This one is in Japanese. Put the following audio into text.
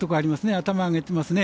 頭を上げていますね。